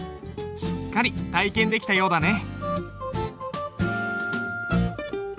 しっかり体験できたようだね。